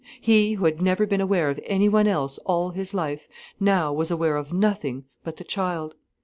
He who had never been aware of anyone else, all his life, now was aware of nothing but the child.